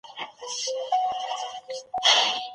ولي لېواله انسان د پوه سړي په پرتله لاره اسانه کوي؟